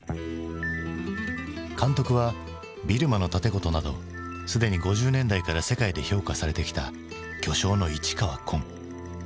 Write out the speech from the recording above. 監督は「ビルマの竪琴」などすでに５０年代から世界で評価されてきた巨匠の市川崑。